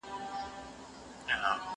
سبزېجات وخوره!؟